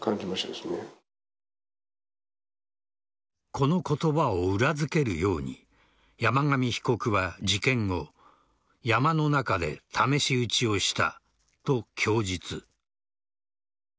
この言葉を裏付けるように山上被告は事件後山の中で試し撃ちをしたと供述。